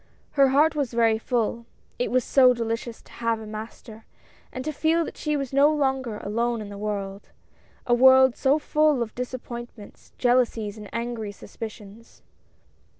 Her heart was very full — it was so delicious to have a master, and to feel that she was no longer alone in the world — a world so full of disappointments, jealousies and angry suspicions.